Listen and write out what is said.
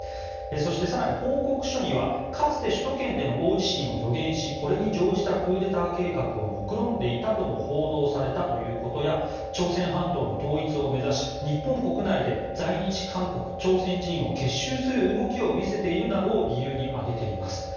そして、更に報告書にはかつて首都圏での大地震を予言しこれに乗じたクーデター計画をもくろんでいたとも報道されたということや朝鮮半島の統一を目指し日本国内で在日韓国・朝鮮人を結集する動きを見せているなどを理由に挙げています。